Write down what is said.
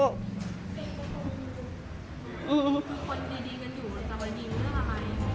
มีคนดีกันอยู่แต่ว่าดีก็ทำไม